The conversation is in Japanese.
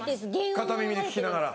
片耳で聞きながら。